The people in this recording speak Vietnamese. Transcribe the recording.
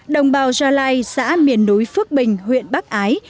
đồng bào ragai xã miền núi phước bình huyện bắc ái